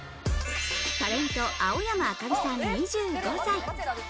タレント・青山明香里さん、２５歳。